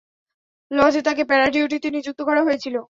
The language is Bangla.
লজে তাকে প্যারা-ডিউটিতে নিযুক্ত করা হয়েছিল।